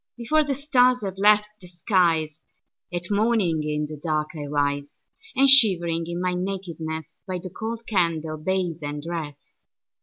Before the stars have left the skies, At morning in the dark I rise; And shivering in my nakedness, By the cold candle, bathe and dress.